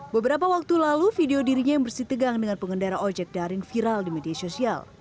beberapa waktu lalu video dirinya yang bersih tegang dengan pengendara ojek daring viral di media sosial